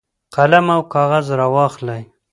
قلم او کاغذ راواخلئ.